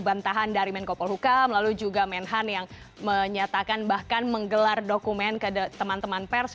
bantahan dari menko polhukam lalu juga menhan yang menyatakan bahkan menggelar dokumen ke teman teman pers